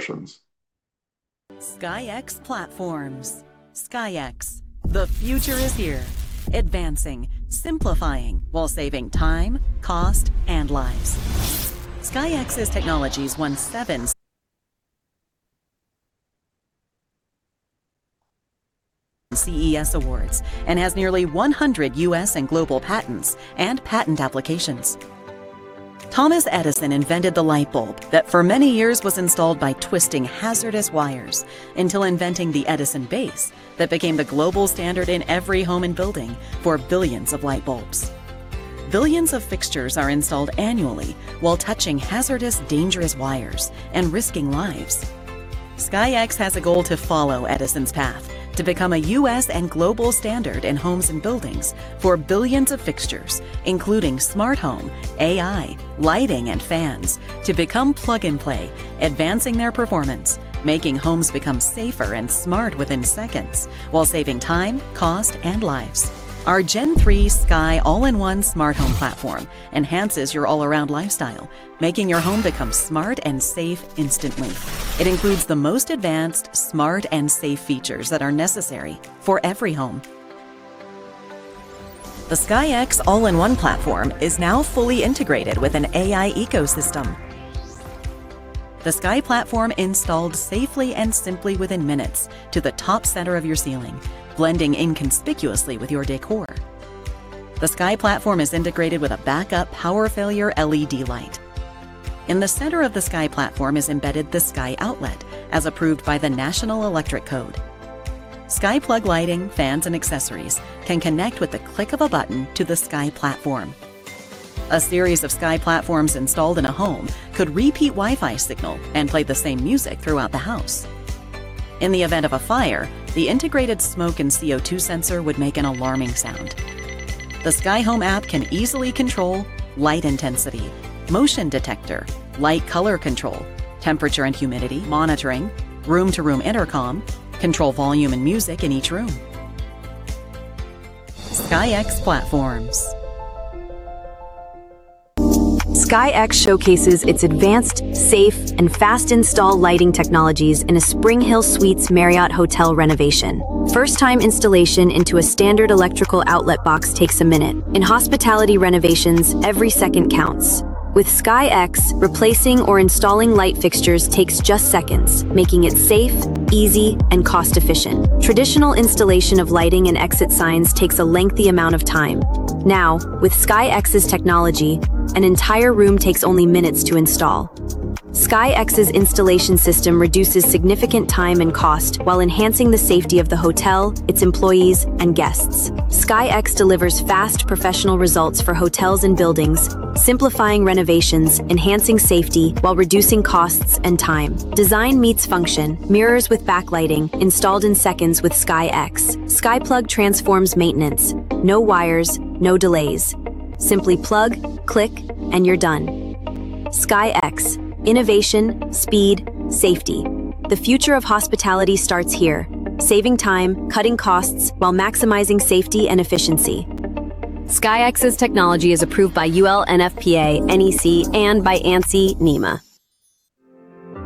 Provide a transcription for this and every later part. Questions. SKYX Platforms. SKYX, the future is here. Advancing, simplifying, while saving time, cost and lives. SKYX's technologies won seven CES awards and has nearly 100 U.S. And global patents and patent applications. Thomas Edison invented the light bulb that for many years was installed by twisting hazardous wires, until inventing the Edison base that became the global standard in every home and building for billions of light bulbs. Billions of fixtures are installed annually while touching hazardous, dangerous wires and risking lives. SKYX has a goal to follow Edison's path to become a U.S. and global standard in homes and buildings for billions of fixtures, including smart home, AI, lighting and fans to become plug and play, advancing their performance, making homes become safer and smart within seconds while saving time, cost and lives. Our Gen Three Sky All-in-one Smart Home Platform enhances your all-around lifestyle, making your home become smart and safe instantly. It includes the most advanced, smart and safe features that are necessary for every home. The SKYX All-in-one Platform is now fully integrated with an AI ecosystem. The Sky Platform installed safely and simply within minutes to the top center of your ceiling, blending inconspicuously with your decor. The Sky Platform is integrated with a backup power failure LED light. In the center of the Sky Platform is embedded the Sky Outlet, as approved by the National Electrical Code. SkyPlug lighting, fans and accessories can connect with the click of a button to the Sky Platform. A series of Sky Platforms installed in a home could repeat Wi-Fi signal and play the same music throughout the house. In the event of a fire, the integrated smoke and CO2 sensor would make an alarming sound. The SkyHome App can easily control light intensity, motion detector, light color control, temperature and humidity monitoring, room to room intercom, control volume and music in each room. SKYX Platforms. SKYX showcases its advanced, safe and fast install lighting technologies in a SpringHill Suites Marriott hotel renovation. First time installation into a standard electrical outlet box takes a minute. In hospitality renovations, every second counts. With SKYX, replacing or installing light fixtures takes just seconds, making it safe, easy and cost efficient. Traditional installation of lighting and exit signs takes a lengthy amount of time. Now, with SKYX's technology, an entire room takes only minutes to install. SKYX's installation system reduces significant time and cost while enhancing the safety of the hotel, its employees and guests. SKYX delivers fast professional results for hotels and buildings, simplifying renovations, enhancing safety while reducing costs and time. Design meets function. Mirrors with backlighting installed in seconds with SKYX. SkyPlug transforms maintenance. No wires, no delays. Simply plug, click and you're done. SKYX, innovation, speed, safety. The future of hospitality starts here, saving time, cutting costs while maximizing safety and efficiency. SKYX's technology is approved by UL, NFPA, NEC and by ANSI/NEMA.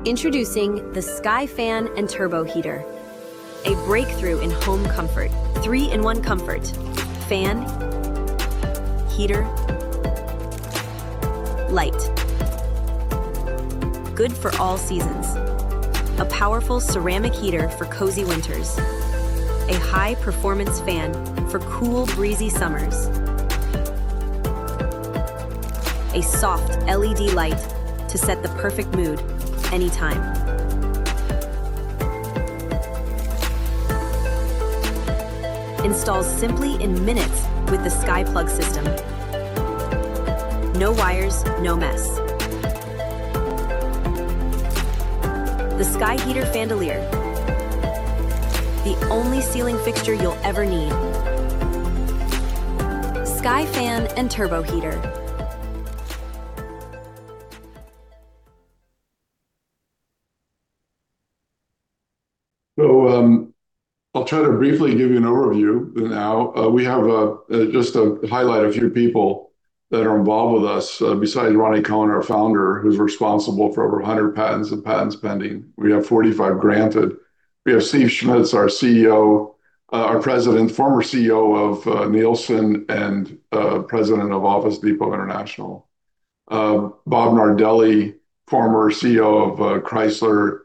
Introducing the SkyFan & Turbo Heater, a breakthrough in home comfort. Three in one comfort, fan, heater, light. Good for all seasons. A powerful ceramic heater for cozy winters. A high performance fan for cool breezy summers. A soft LED light to set the perfect mood anytime. Installs simply in minutes with the SkyPlug system. No wires, no mess. The Sky heater fandelier, the only ceiling fixture you'll ever need. SkyFan & Turbo Heater. I'll try to briefly give you an overview now. We have just to highlight a few people that are involved with us, besides Rani Kohen, our founder, who's responsible for over 100 patents and patents pending. We have 45 granted. We have Steven Schmidt, our CEO, our president, former CEO of Nielsen and president of Office Depot International. Bob Nardelli, former CEO of Chrysler,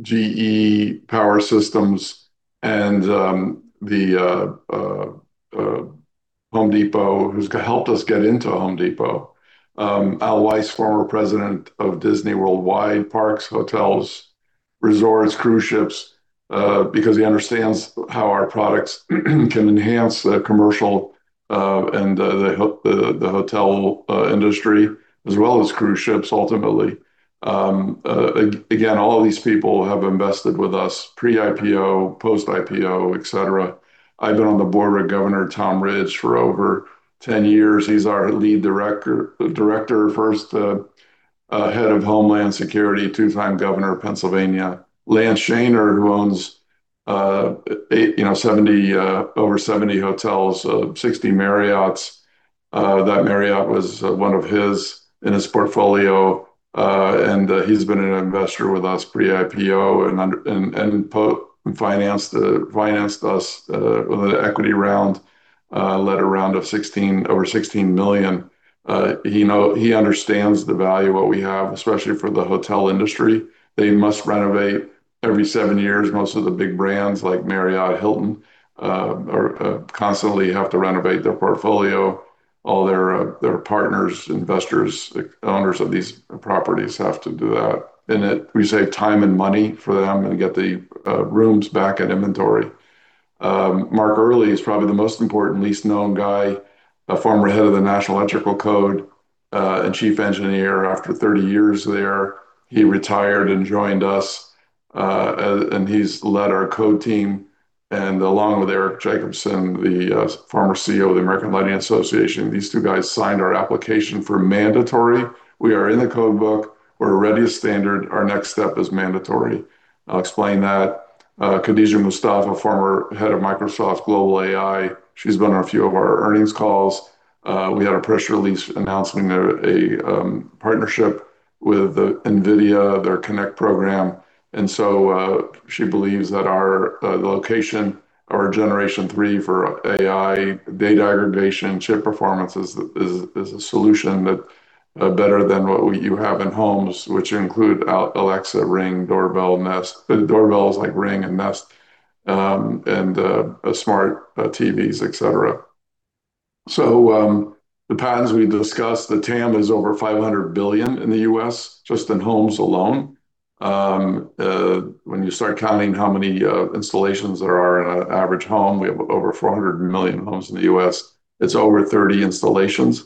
GE Power Systems and The Home Depot, who's helped us get into Home Depot. Al Weiss, former president of Disney Worldwide Parks, Hotels, Resorts, Cruise Ships, because he understands how our products can enhance the commercial and the hotel industry as well as cruise ships ultimately. Again, all of these people have invested with us pre-IPO, post-IPO, et cetera. I've been on the board with Governor Tom Ridge for over 10 years. He's our lead director, first head of Homeland Security, two-time governor of Pennsylvania. Lance Shaner, who owns over 70 hotels, 60 Marriotts. That Marriott was one of his in his portfolio. He's been an investor with us pre-IPO and post-IPO financed us with an equity round, led a round of over $16 million. He understands the value of what we have, especially for the hotel industry. They must renovate every 7 years. Most of the big brands like Marriott, Hilton are constantly have to renovate their portfolio. All their partners, investors, like, owners of these properties have to do that. We save time and money for them and get the rooms back at inventory. Mark Earley is probably the most important, least-known guy, a former head of the National Electrical Code and chief engineer. After 30 years there, he retired and joined us. He's led our code team, and along with Eric Jacobson, the former CEO of the American Lighting Association, these two guys signed our application for mandatory. We are in the code book. We're already a standard. Our next step is mandatory. I'll explain that. Khadija Mustafa, former head of Microsoft Global AI, she's been on a few of our earnings calls. We had a press release announcing a partnership with NVIDIA, their Connect program. She believes that our location or Generation three for AI, data aggregation, chip performance is a solution that better than what you have in homes, which include Alexa, Ring, doorbell, Nest. Doorbells like Ring and Nest, and smart TVs, et cetera. The patterns we discussed, the TAM is over $500 billion in the U.S. just in homes alone. When you start counting how many installations there are in an average home, we have over 400 million homes in the U.S. It's over 30 installations.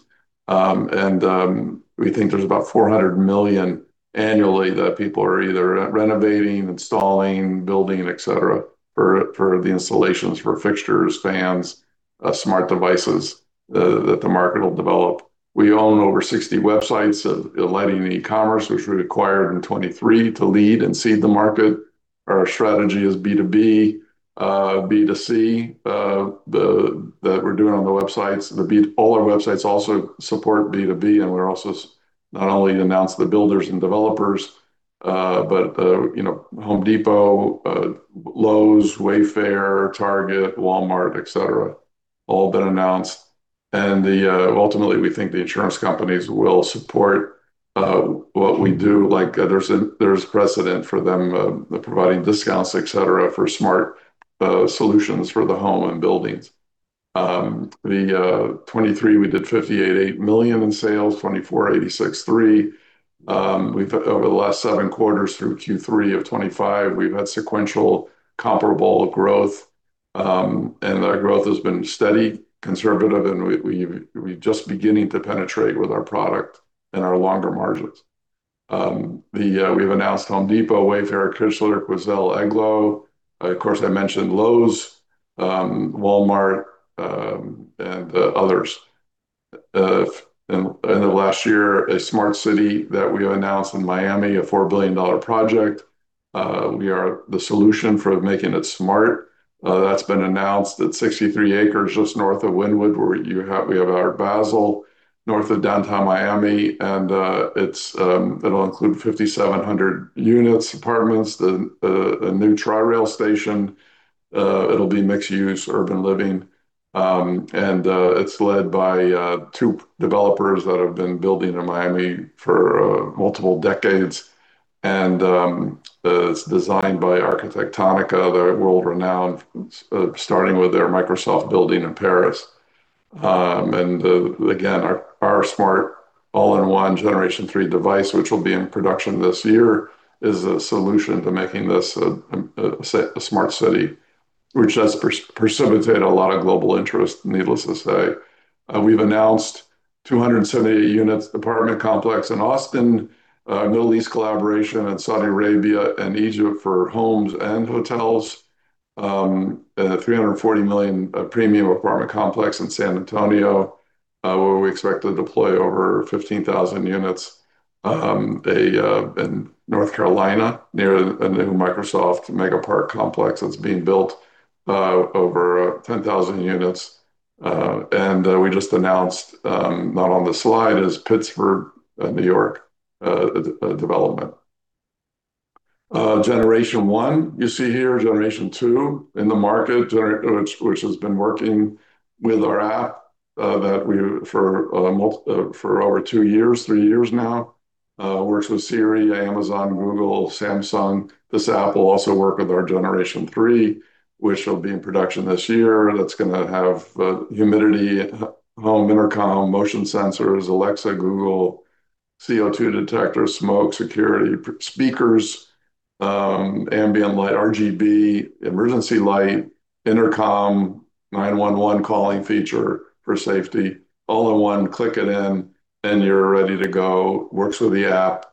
We think there's about 400 million annually that people are either renovating, installing, building, et cetera, for the installations for fixtures, fans, smart devices, that the market will develop. We own over 60 websites of lighting e-commerce, which we acquired in 2023 to lead and seed the market. Our strategy is B2B, B2C, that we're doing on the websites. All our websites also support B2B, and we're also announcing not only the builders and developers, but the, you know, Home Depot, Lowe's, Wayfair, Target, Walmart, et cetera, all been announced. Ultimately, we think the insurance companies will support what we do. Like, there's a, there's precedent for them providing discounts, et cetera, for smart solutions for the home and buildings. In 2023, we did $58.8 million in sales, 2024 $86.3 million. Over the last seven quarters through Q3 of 2025, we've had sequential comparable growth. Our growth has been steady, conservative, and we're just beginning to penetrate with our product and our larger margins. We have announced Home Depot, Wayfair, Chrysler, Quoizel, EGLO. Of course, I mentioned Lowe's, Walmart, and others. In the last year, a smart city that we announced in Miami, a $4 billion project, we are the solution for making it smart. That's been announced at 63 acres just north of Wynwood, where you have Art Basel north of downtown Miami, and it'll include 5,700 units, apartments, a new Tri-Rail station. It'll be mixed-use urban living. It's led by two developers that have been building in Miami for multiple decades. It's designed by Arquitectonica, the world-renowned starting with their Microsoft building in Paris. Our Smart All-in-one Generation Three device, which will be in production this year, is a solution to making this a smart city, which has precipitated a lot of global interest, needless to say. We've announced 278-unit apartment complex in Austin, Middle East collaboration in Saudi Arabia and Egypt for homes and hotels. A $340 million premium apartment complex in San Antonio, where we expect to deploy over 15,000 units. In North Carolina, near a new Microsoft mega park complex that's being built, over 10,000 units. We just announced, not on the slide, is Pittsburgh, New York development. Generation one, you see here Generation two in the market, which has been working with our app for over two years, three years now, works with Siri, Amazon, Google, Samsung. This app will also work with our Generation three, which will be in production this year. That's gonna have humidity, home intercom, motion sensors, Alexa, Google, CO2 detector, smoke security, speakers, ambient light, RGB, emergency light, intercom, 911 calling feature for safety, all in one, click it in, and you're ready to go. Works with the app,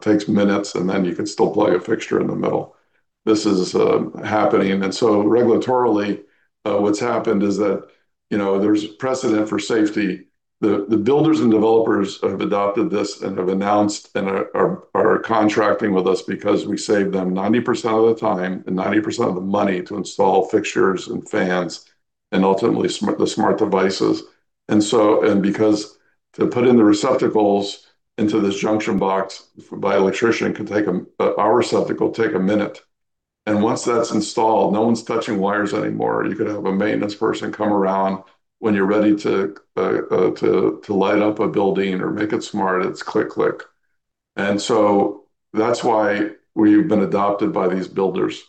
takes minutes, and then you can still plug a fixture in the middle. This is happening. Regulatorily, what's happened is that, you know, there's precedent for safety. The builders and developers have adopted this and have announced and are contracting with us because we save them 90% of the time and 90% of the money to install fixtures and fans and ultimately smart devices. Because to put in the receptacles into this junction box by electrician can take an hour. Receptacle take a minute. Once that's installed, no one's touching wires anymore. You could have a maintenance person come around when you're ready to light up a building or make it smart. It's click. That's why we've been adopted by these builders.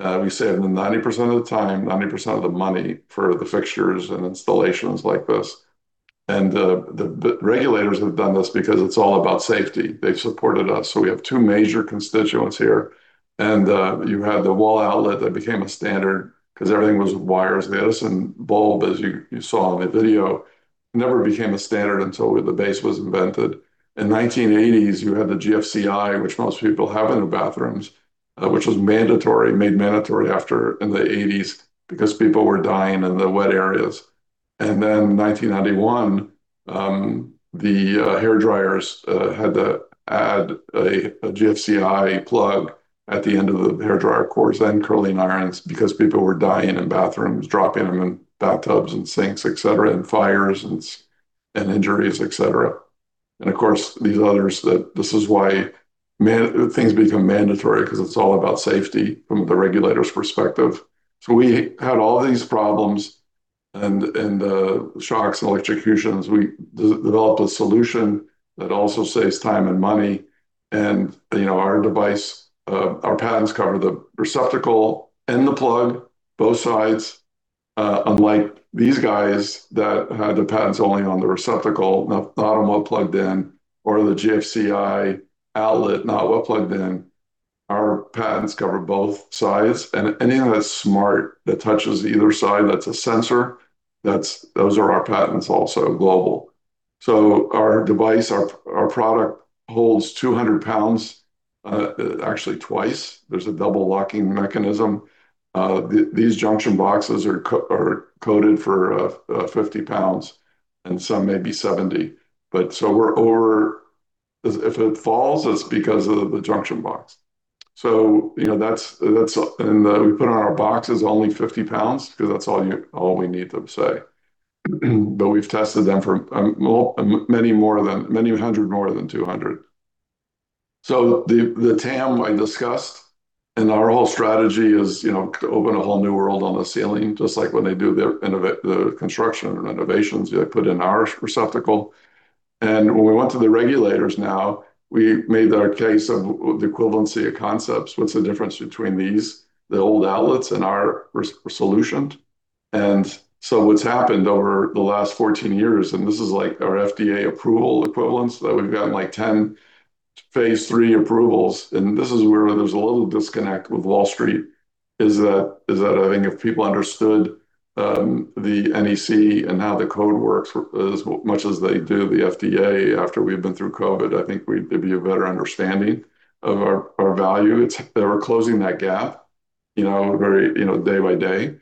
We saved them 90% of the time, 90% of the money for the fixtures and installations like this. The regulators have done this because it's all about safety. They've supported us. We have two major constituents here. You had the wall outlet that became a standard because everything was wires. The Edison bulb, as you saw in the video, never became a standard until the base was invented. In the 1980s, you had the GFCI, which most people have in their bathrooms, which was made mandatory in the 1980s because people were dying in the wet areas. In 1991, hairdryers had to add a GFCI plug at the end of the hairdryer cords and curling irons because people were dying in bathrooms, dropping them in bathtubs and sinks, et cetera, and fires and injuries, et cetera. These others, this is why many things become mandatory, because it's all about safety from the regulator's perspective. We had all these problems, shocks and electrocutions. We developed a solution that also saves time and money. You know, our device, our patents cover the receptacle and the plug, both sides. Unlike these guys that had the patents only on the receptacle, not on what plugged in or the GFCI outlet, not what plugged in. Our patents cover both sides. Anything that's smart that touches either side, that's a sensor, those are our patents also, global. Our device, our product holds 200 pounds, actually twice. There's a double locking mechanism. These junction boxes are coded for 50 pounds, and some may be 70. We're over. If it falls, it's because of the junction box. That's. We put on our boxes only 50 pounds because that's all we need them to say. But we've tested them for many more than many hundred more than 200. The TAM I discussed and our whole strategy is to open a whole new world on the ceiling, just like when they do the construction and renovations, they put in our receptacle. When we went to the regulators now, we made our case of the equivalency of concepts. What's the difference between these, the old outlets, and our receptacles? What's happened over the last 14 years, and this is like our FDA approval equivalence, that we've gotten like 10 phase III approvals. This is where there's a little disconnect with Wall Street, is that I think if people understood the NEC and how the code works as much as they do the FDA after we've been through COVID, I think there'd be a better understanding of our value. We're closing that gap, you know, very, you know, day by day.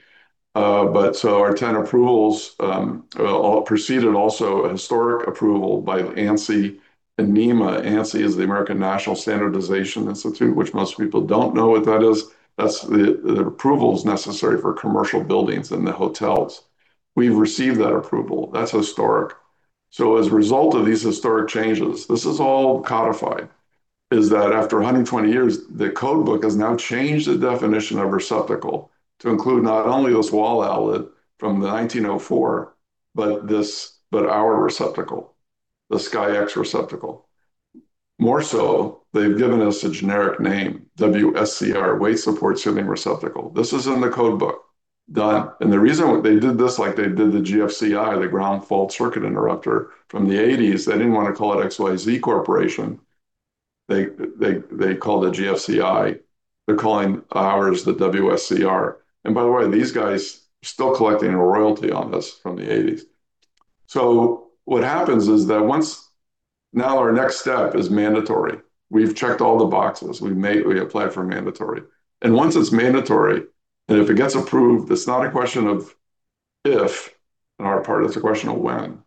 But so our 10 approvals all preceded also a historic approval by ANSI and NEMA. ANSI is the American National Standards Institute, which most people don't know what that is. That's the approvals necessary for commercial buildings and the hotels. We've received that approval. That's historic. As a result of these historic changes, this is all codified, is that after 120 years, the code book has now changed the definition of receptacle to include not only this wall outlet from 1904, but our receptacle, the SKYX receptacle. More so, they've given us a generic name, WSCR, Weight-Supporting Ceiling Receptacle. This is in the code book. Done. The reason they did this like they did the GFCI, the Ground Fault Circuit Interrupter, from the 1980s, they didn't want to call it XYZ Corporation. They called it GFCI. They're calling ours the WSCR. By the way, these guys are still collecting a royalty on this from the 1980s. What happens is that once. Now our next step is mandatory. We've checked all the boxes. We applied for mandatory. Once it's mandatory, and if it gets approved, it's not a question of if on our part, it's a question of when.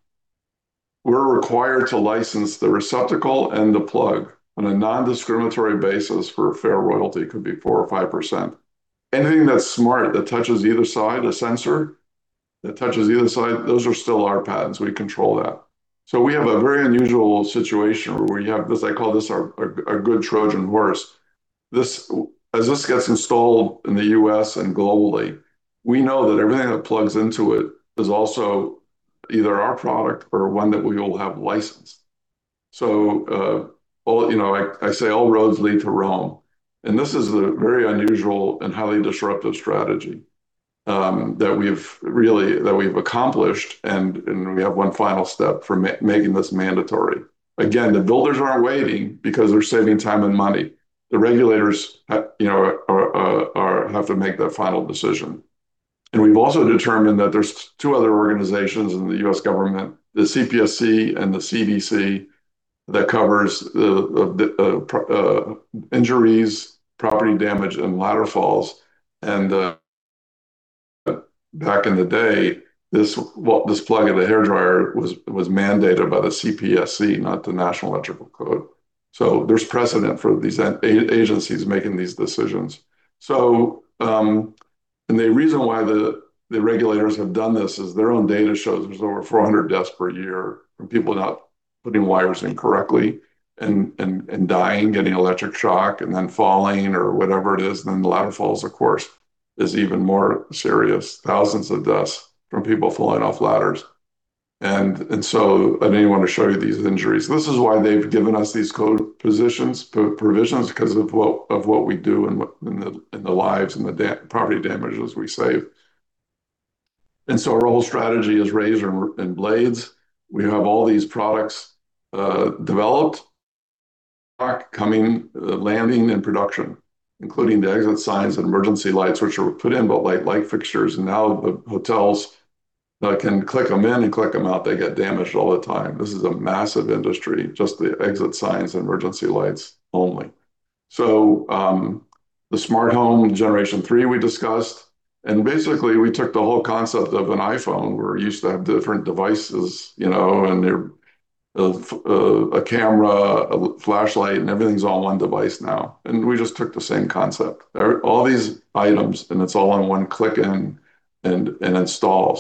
We're required to license the receptacle and the plug on a non-discriminatory basis for a fair royalty. It could be 4 or 5%. Anything that's smart that touches either side, a sensor that touches either side, those are still our patents. We control that. We have a very unusual situation where you have this. I call this our good Trojan horse. As this gets installed in the U.S. and globally, we know that everything that plugs into it is also either our product or one that we will have licensed. All roads lead to Rome, and this is a very unusual and highly disruptive strategy that we've accomplished. We have one final step for making this mandatory. Again, the builders aren't waiting because they're saving time and money. The regulators have to make that final decision. We've also determined that there's two other organizations in the U.S. government, the CPSC and the CDC, that covers the injuries, property damage, and ladder falls. Back in the day, this plug of the hairdryer was mandated by the CPSC, not the National Electrical Code. There's precedent for these agencies making these decisions. The reason why the regulators have done this is their own data shows there's over 400 deaths per year from people not putting wires in correctly and dying, getting electric shock, and then falling or whatever it is. The ladder falls, of course, is even more serious. 1,000 of deaths from people falling off ladders. I didn't even wanna show you these injuries. This is why they've given us these code provisions because of what we do and the lives and the property damages we save. Our whole strategy is razor and blades. We have all these products developed, are coming, landing in production, including the exit signs and emergency lights which are put in, but light fixtures. Now the hotels can click 'em in and click 'em out. They get damaged all the time. This is a massive industry, just the exit signs and emergency lights only. The Smart Home Generation Three we discussed, and basically we took the whole concept of an iPhone. We're used to have different devices, you know, and they're a camera, a flashlight, and everything's all one device now. We just took the same concept. There are all these items, and it's all on one click and install.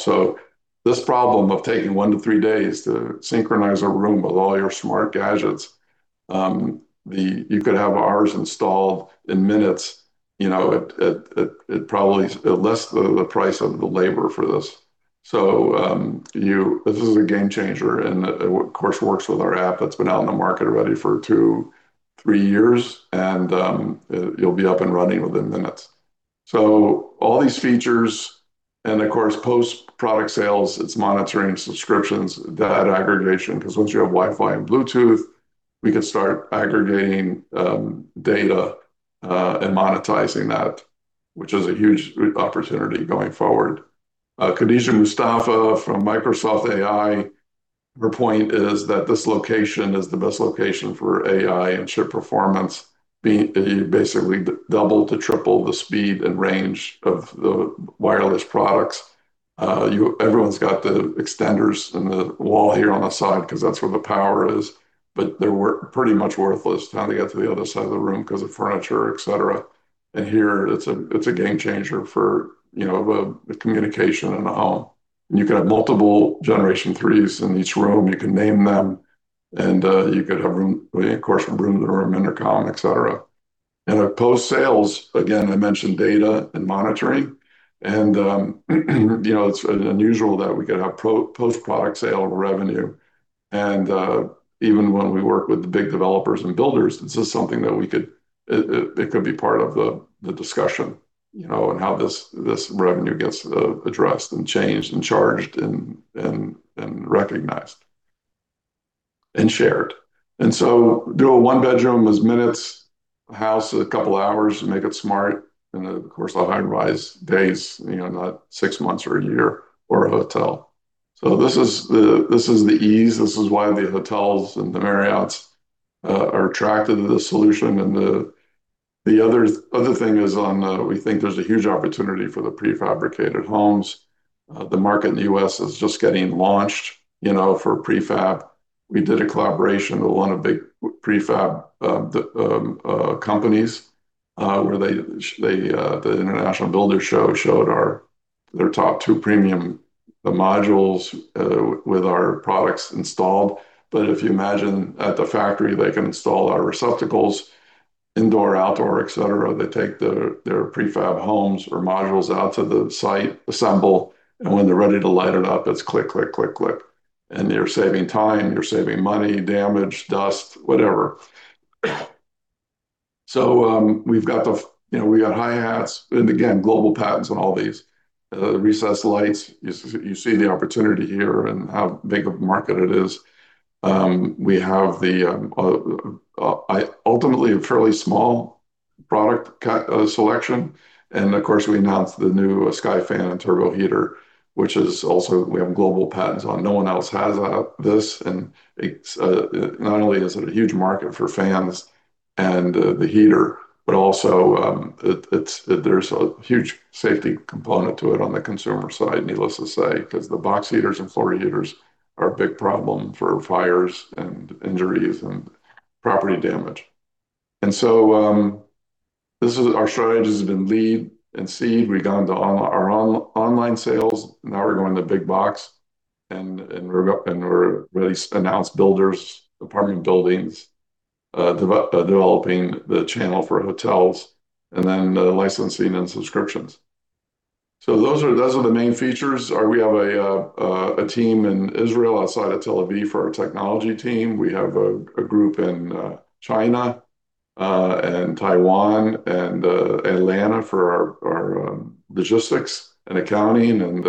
This problem of taking one-three days to synchronize a room with all your smart gadgets. You could have ours installed in minutes. You know, it probably less the price of the labor for this. This is a game changer, and it of course works with our app that's been out in the market already for two-three years. It'll be up and running within minutes. All these features and of course, post product sales, it's monitoring subscriptions, data aggregation, 'cause once you have Wi-Fi and Bluetooth, we can start aggregating, data, and monetizing that, which is a huge opportunity going forward. Khadija Mustafa from Microsoft AI, her point is that this location is the best location for AI and chip performance. You basically double to triple the speed and range of the wireless products. Everyone's got the extenders in the wall here on the side 'cause that's where the power is, but they're pretty much worthless trying to get to the other side of the room 'cause of furniture, et cetera. Here it's a, it's a game changer for, you know, the communication in a home. You can have multiple Generation Threes in each room. You can name them, and you could have room. Well, of course, from room to room, intercom, et cetera. At post-sales, again, I mentioned data and monitoring, and you know, it's unusual that we could have post product sale revenue. Even when we work with the big developers and builders, this is something that it could be part of the discussion, you know, and how this revenue gets addressed and changed and charged and recognized and shared. To do a one bedroom is minutes, a house a couple hours to make it smart. Of course, a high rise, days, you know, not six months or a year, or a hotel. This is the ease. This is why the hotels and the Marriotts are attracted to the solution. The other thing is on we think there's a huge opportunity for the prefabricated homes. The market in the U.S. is just getting launched, you know, for prefab. We did a collaboration with one of the big prefab companies, where the International Builders Show showed their top two premium modules with our products installed. If you imagine at the factory, they can install our receptacles, indoor, outdoor, et cetera. They take their prefab homes or modules out to the site, assemble, and when they're ready to light it up, it's click, click. You're saving time, you're saving money, damage, dust, whatever. We've got, you know, we got high hats and again, global patents on all these recessed lights. You see the opportunity here and how big of a market it is. We have ultimately a fairly small product selection. Of course, we announced the new SkyFan & Turbo Heater, which we have global patents on. No one else has this. It's not only is it a huge market for fans and the heater, but also there's a huge safety component to it on the consumer side, needless to say, 'cause the box heaters and floor heaters are a big problem for fires and injuries and property damage. This is our strategy has been lead and seed. We've gone to our online sales. Now we're going to big box, and we're really. Announce builders, apartment buildings, developing the channel for hotels and then the licensing and subscriptions. Those are the main features. We have a team in Israel outside of Tel Aviv for our technology team. We have a group in China and Taiwan and Atlanta for our logistics and accounting and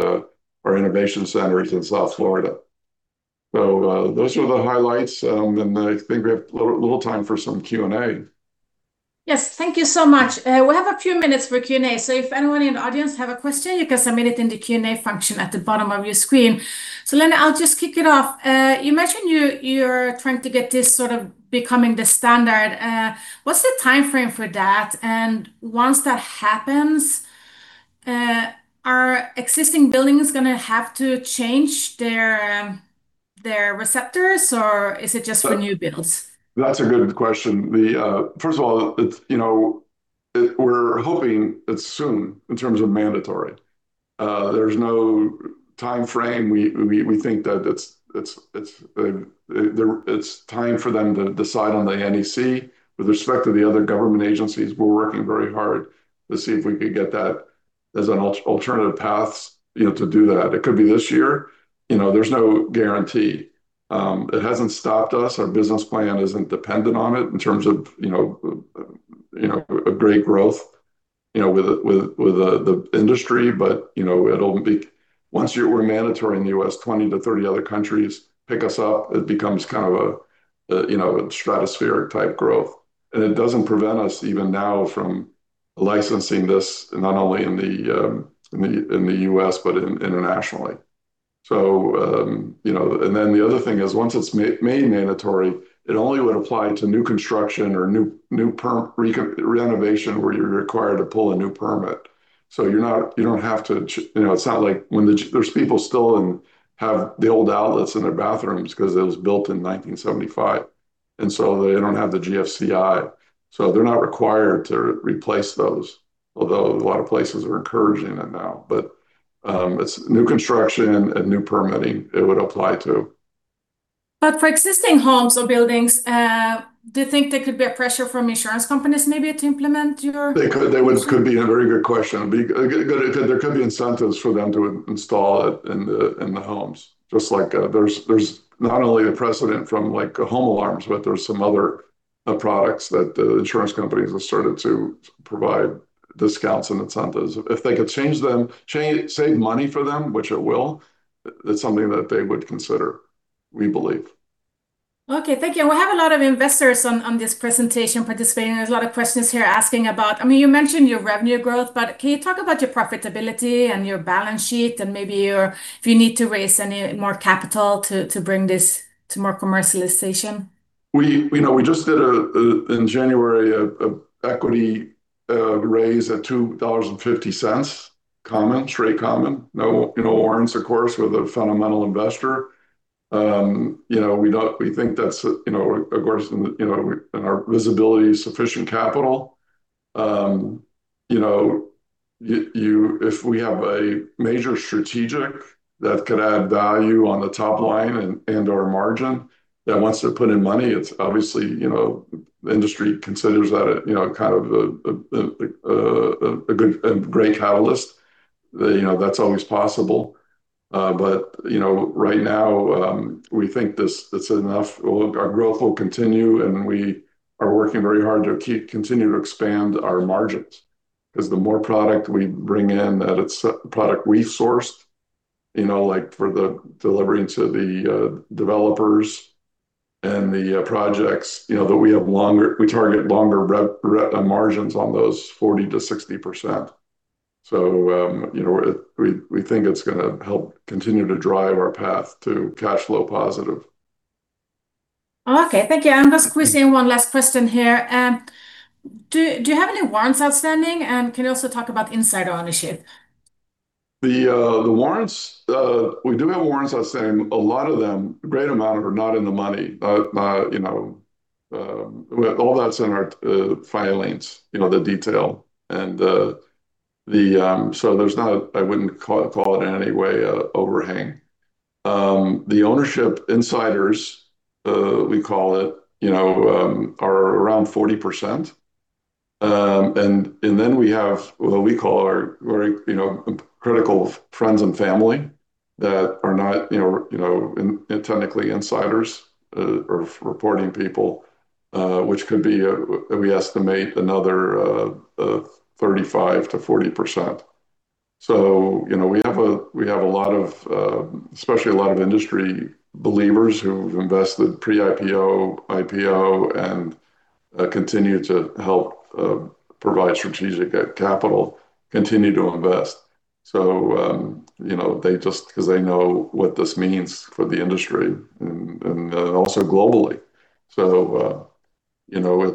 our innovation centers in South Florida. Those are the highlights. I think we have a little time for some Q&A. Yes. Thank you so much. We have a few minutes for Q&A, so if anyone in the audience have a question, you can submit it in the Q&A function at the bottom of your screen. Len, I'll just kick it off. You mentioned you're trying to get this sort of becoming the standard. What's the timeframe for that? And once that happens, are existing buildings gonna have to change their receptors or is it just for new builds? That's a good question. First of all, it's, you know, we're hoping it's soon in terms of mandatory. There's no timeframe. We think that it's time for them to decide on the NEC. With respect to the other government agencies, we're working very hard to see if we could get that as an alternative paths, you know, to do that. It could be this year. You know, there's no guarantee. It hasn't stopped us. Our business plan isn't dependent on it in terms of, you know, a great growth, you know, with the industry. You know, it'll be once we're mandatory in the U.S., 20-30 other countries pick us up, it becomes kind of a, you know, a stratospheric type growth. It doesn't prevent us even now from licensing this, not only in the U.S., but internationally. You know. The other thing is once it's made mandatory, it only would apply to new construction or new renovation where you're required to pull a new permit. You don't have to. You know, it's not like when. There's people still have the old outlets in their bathrooms because it was built in 1975, and so they don't have the GFCI. They're not required to replace those, although a lot of places are encouraging it now. It's new construction and new permitting it would apply to. For existing homes or buildings, do you think there could be a pressure from insurance companies maybe to implement your- They could. That could be a very good question. There could be incentives for them to install it in the homes, just like there's not only the precedent from like home alarms, but there's some other products that the insurance companies have started to provide discounts and incentives. If they could change them, save money for them, which it will, it's something that they would consider, we believe. Okay. Thank you. We have a lot of investors on this presentation participating. There's a lot of questions here asking about, I mean, you mentioned your revenue growth, but can you talk about your profitability and your balance sheet and maybe if you need to raise any more capital to bring this to more commercialization? We just did in January an equity raise at $2,000.50 common, straight common. No warrants of course with a fundamental investor. We think that's of course in our visibility sufficient capital. If we have a major strategic that could add value on the top line and our margin that wants to put in money, it's obviously industry considers that a kind of a good and great catalyst. That's always possible. Right now we think this. It's enough. Our growth will continue, and we are working very hard to continue to expand our margins. 'Cause the more product we've sourced, you know, like for the delivery to the developers and the projects, you know, that we target longer-term margins on those 40%-60%. You know, we think it's gonna help continue to drive our path to cash flow positive. Okay. Thank you. Yeah. I'm just squeezing one last question here. Do you have any warrants outstanding, and can you also talk about insider ownership? The warrants we do have warrants outstanding. A lot of them, a great amount of them are not in the money. You know, with all that's in our filings, you know, the detail and the. There's not. I wouldn't call it in any way an overhang. The insider ownership we call it, you know, is around 40%. And then we have what we call our very, you know, critical friends and family that are not, you know, technically insiders or reporting people, which could be, we estimate another 35%-40%. You know, we have a lot of especially a lot of industry believers who've invested pre-IPO, IPO, and continue to help provide strategic capital, continue to invest. You know, 'cause they know what this means for the industry and also globally. You know,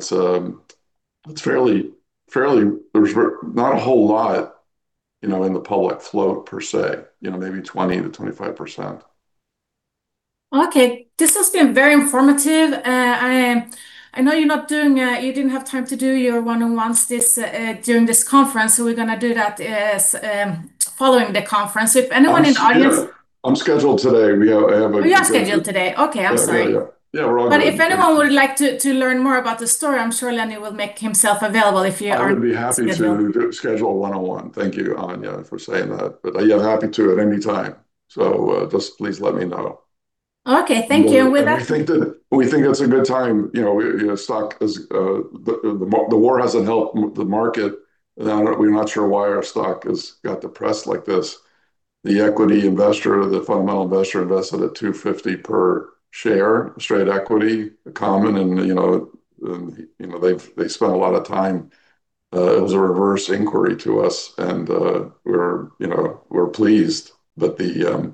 there's not a whole lot, you know, in the public float per se. You know, maybe 20-25%. Okay. This has been very informative. I know you didn't have time to do your one-on-ones this during this conference, so we're gonna do that following the conference. If anyone in audience- I'm scheduled today. We have You are scheduled today. Okay. I'm sorry. Yeah, we're all good. If anyone would like to learn more about the story, I'm sure Lenny will make himself available if you aren't scheduled. I would be happy to schedule a one-on-one. Thank you, Anya, for saying that. I am happy to at any time. Just please let me know. Okay. Thank you. With that. We think it's a good time. Stock is the war hasn't helped the market. We're not sure why our stock has got depressed like this. The equity investor, the fundamental investor invested at $2.50 per share, straight equity common and they spent a lot of time. It was a reverse inquiry to us and we're pleased that the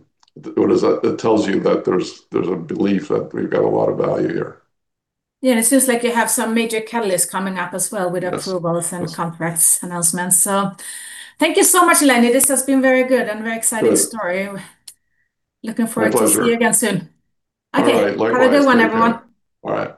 What is that? It tells you that there's a belief that we've got a lot of value here. Yeah. It seems like you have some major catalysts coming up as well with. Yes Approvals and conference announcements. Thank you so much, Lenny. This has been very good and very exciting story. Good. Looking forward. My pleasure. to see you again soon. Okay. All right. Likewise. Take care. Have a good one, everyone. All right. Bye. Bye.